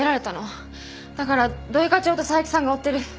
だから土井課長と佐伯さんが追ってる。